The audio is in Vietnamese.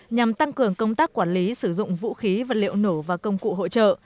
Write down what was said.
nhằm tăng cường công tác quản lý sử dụng vũ khí vật liệu nổ và công cụ hỗ trợ